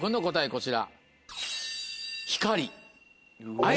こちら。